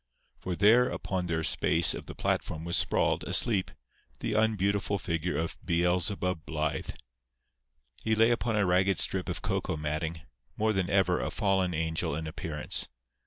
For there upon their space of the platform was sprawled, asleep, the unbeautiful figure of "Beelzebub" Blythe. He lay upon a ragged strip of cocoa matting, more than ever a fallen angel in appearance.